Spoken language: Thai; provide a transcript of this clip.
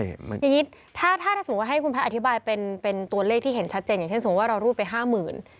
อย่างนี้ถ้าสมมุติว่าให้คุณแพทย์อธิบายเป็นตัวเลขที่เห็นชัดเจนอย่างเช่นสมมุติว่าเรารูดไปห้าหมื่น